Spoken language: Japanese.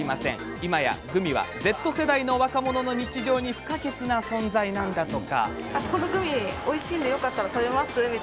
今やグミはＺ世代の若者の日常に不可欠な存在なんだとか。